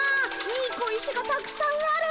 いい小石がたくさんある！